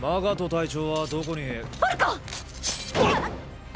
隊長！